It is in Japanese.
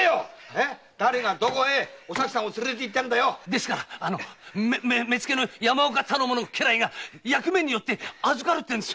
ですから目付・山岡頼母の家来が役目によって預かるってんです。